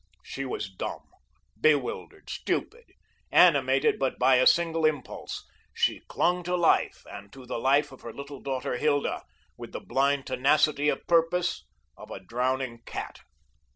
She was dumb, bewildered, stupid, animated but by a single impulse. She clung to life, and to the life of her little daughter Hilda, with the blind tenacity of purpose of a drowning cat.